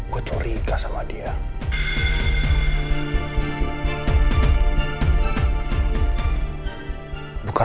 gua tandai duk al